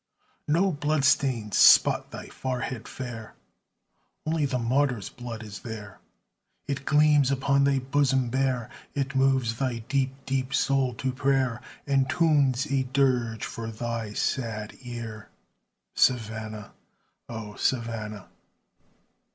No blood stains spot thy forehead fair; Only the martyrs' blood is there; It gleams upon thy bosom bare, It moves thy deep, deep soul to prayer, And tunes a dirge for thy sad ear, Savannah! O Savannah!